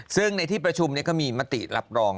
ซึ่งในที่ประชุมก็มีมติรับรอง